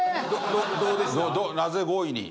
なぜ５位に？